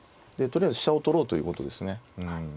とりあえず飛車を取ろうということですね。